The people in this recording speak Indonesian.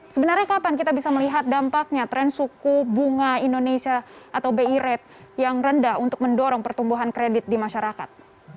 sebenarnya kapan kita bisa melihat dampaknya tren suku bunga indonesia atau bi rate yang rendah untuk mendorong pertumbuhan kredit di masyarakat